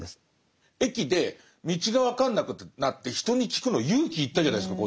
駅で道が分かんなくなって人に聞くの勇気いったじゃないですか